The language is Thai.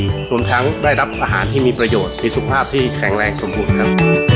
รวมทั้งได้รับอาหารที่มีประโยชน์มีสุขภาพที่แข็งแรงสมบูรณ์ครับ